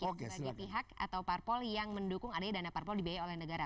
sebagai pihak atau parpol yang mendukung adanya dana parpol dibiayai oleh negara